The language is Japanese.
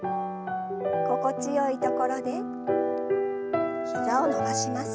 心地よいところで膝を伸ばします。